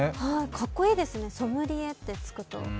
かっこいいですね、ソムリエってつくと。